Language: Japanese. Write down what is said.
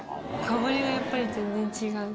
香りがやっぱり全然違う。